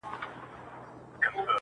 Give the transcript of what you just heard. ښيي -